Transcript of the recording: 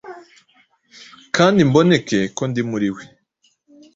kandi mboneke ko ndi muri we,